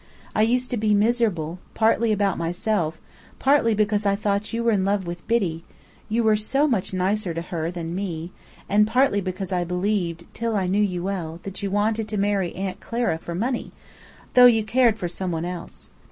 I used to be miserable, partly about myself, partly because I thought you were in love with Biddy (you were so much nicer to her than me!), and partly because I believed, till I knew you well, that you wanted to marry Aunt Clara for money, though you cared for someone else.